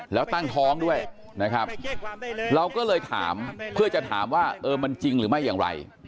แล้วตั้งท้องด้วยนะครับเราก็เลยถามเพื่อจะถามว่าเออมันจริงหรือไม่อย่างไร